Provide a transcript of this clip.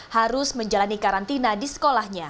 harus menjalani karantina di sekolahnya